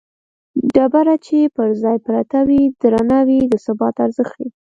ډبره چې پر ځای پرته وي درنه وي د ثبات ارزښت ښيي